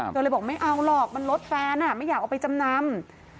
เลยบอกไม่เอาหรอกมันลดแฟนไม่อยากเอาไปจำนำ